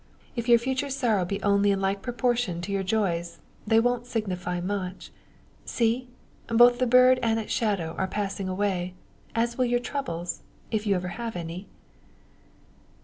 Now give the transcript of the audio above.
If your future sorrows be only in like proportion to your joys, they won't signify much. See! Both the bird and its shadow are passing away as will your troubles, if you ever have any."